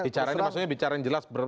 bicara ini maksudnya bicara yang jelas